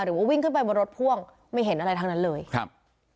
หรือว่าวิ่งขึ้นไปบนรถพ่วงไม่เห็นอะไรทั้งนั้นเลยครับ